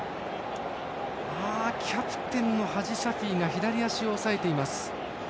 キャプテンのハジサフィが左足を押さえています。